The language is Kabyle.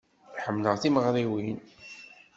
Ḥemmleɣ timeɣriwin.